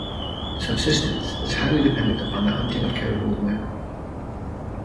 Subsistence is highly dependent upon the hunting of caribou and whale.